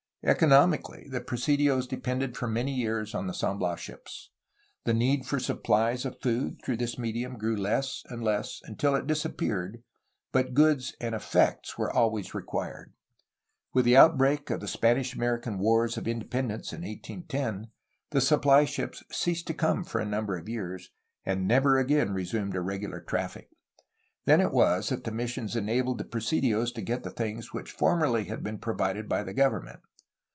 Economically the presidios depended for many years on the San Bias ships. The need for supplies of food through this medium grew less and less until it disappeared, but goods and effects were always required. With the outbreak of the Spanish American Wars of Independence in 1810, the supply ships ceased to come for a number of years, and never SPANISH CALIFORNIAN INSTITUTIONS 391 again resumed a regular traffic. Then it was that ths missions enabled the presidios to get the things which formerly had been provided by the government.